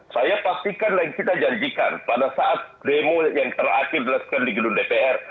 saya pastikan dan kita janjikan pada saat demo yang terakhir dilakukan di gedung dpr